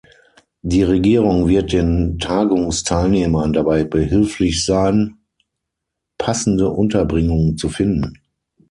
Die Regierung wird den Tagungsteilnehmern dabei behilflich sein, passende Unterbringung zu finden.